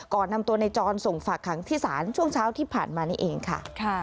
ก่อนนำตัวในจรส่งฝากขังที่ศาลช่วงเช้าที่ผ่านมานี่เองค่ะ